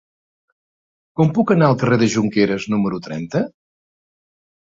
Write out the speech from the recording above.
Com puc anar al carrer de Jonqueres número trenta?